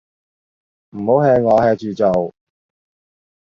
唔好 hea 我 ，hea 住做